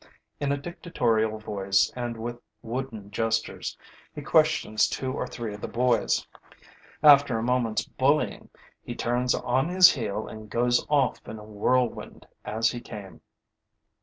In a dictatorial voice and with wooden gestures, he questions two or three of the boys; after a moment's bullying, he turns on his heel and goes off in a whirlwind as he came.